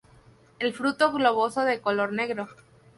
El fruto globoso, de color negro.